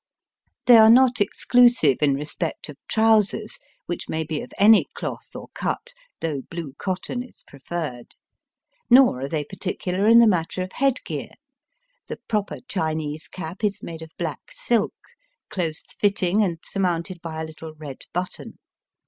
They are not exclusive in respect of trousers, which may be of any cloth or cut, though blue cotton is preferred. Nor are they particular in the matter of head gear. The proper Chinese cap is made of black silk, close fitting and surmounted by a little red button.